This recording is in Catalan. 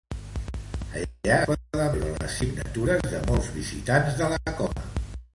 Allà es poden vore les signatures de molts visitants de la cova.